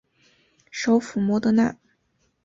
首府摩德纳。